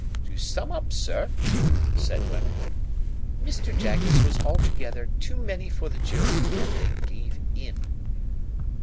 "To sum up, sir," said Wemmick, "Mr. Jaggers was altogether too many for the jury, and they gave in."